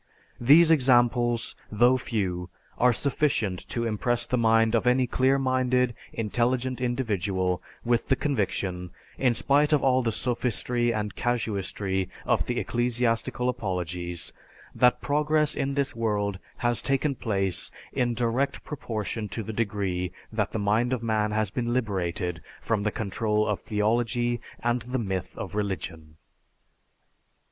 These examples, though few, are sufficient to impress the mind of any clear minded, intelligent individual with the conviction, in spite of all the sophistry and casuistry of the ecclesiastical apologies, that progress in this world has taken place in direct proportion to the degree that the mind of man has liberated itself from the control of theology and the myth of religion.